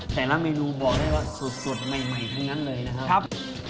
แต่ละเมนูบอกได้ว่าสดใหม่ทั้งนั้นเลยนะครับ